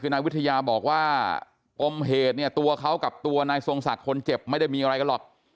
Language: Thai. คือนายวิทยาบอกว่าปมเหตุเนี่ยตัวเขากับตัวนายทรงศักดิ์คนเจ็บไม่ได้มีอะไรกันหรอก